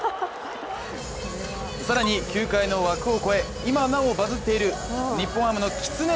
さらに、球界の枠を超え、今なおバズっている日本ハムのきつね